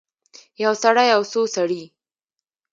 یو سړی او څو سړي